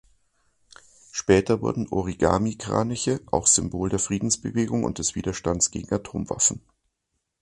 Später wurden Origamikraniche auch Symbol der Friedensbewegung und des Widerstandes gegen Atomwaffen.